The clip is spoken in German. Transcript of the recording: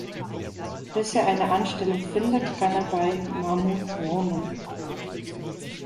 Bis er eine Anstellung findet, kann er bei Mahmut wohnen.